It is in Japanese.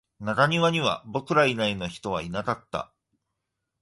中庭には僕ら以外の人はいなかった